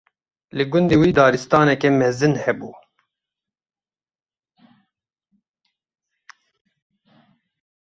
Li gundê wî daristaneke mezin hebû.